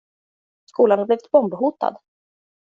Skolan har blivit bombhotad.